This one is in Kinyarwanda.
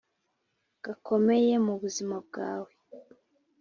gakomeye mu buzima bwawe!